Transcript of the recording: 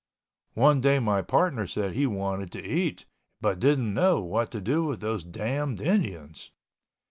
One day my partner said he wanted to eat, but didn't know what to do with those damn Indians.